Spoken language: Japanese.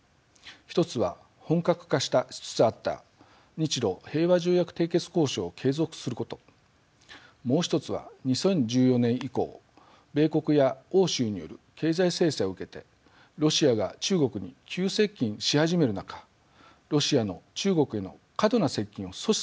一つは本格化しつつあった日ロ平和条約締結交渉を継続することもう一つは２０１４年以降米国や欧州による経済制裁を受けてロシアが中国に急接近し始める中ロシアの中国への過度な接近を阻止することでした。